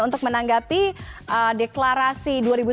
untuk menanggapi deklarasi dua ribu sembilan belas